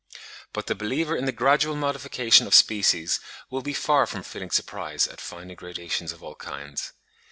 But the believer in the gradual modification of species will be far from feeling surprise at finding gradations of all kinds.